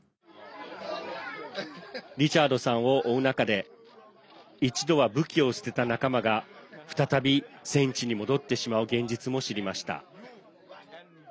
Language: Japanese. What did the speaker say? リチャードさんを追う中で一度は武器を捨てた仲間が再び戦地に戻ってしまう現実も知りました。